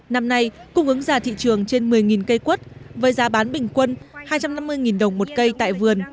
năm nay cung ứng ra thị trường trên một mươi cây quất với giá bán bình quân hai trăm năm mươi đồng một cây tại vườn